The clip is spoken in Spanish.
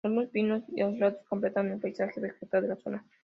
Algunos pinos aislados completan el paisaje vegetal de la zona.